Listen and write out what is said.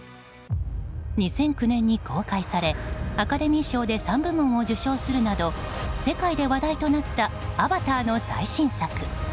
２００９年に公開されアカデミー賞で３部門を受賞するなど世界で話題となった「アバター」の最新作。